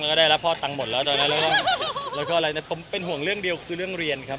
แล้วก็ได้รับพ่อตังค์หมดแล้วตอนนั้นแล้วก็อะไรนะผมเป็นห่วงเรื่องเดียวคือเรื่องเรียนครับ